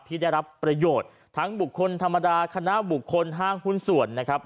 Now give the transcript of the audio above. ที่ได้รับประโยชน์ทั้งบุคคลธรรมดาคณะบุคคลห้างหุ้นส่วนนะครับ